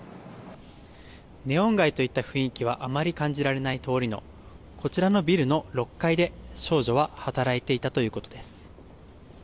ネオン街という雰囲気はあまり感じられない通りのこちらのビルの６階で、少女は働いていたということです。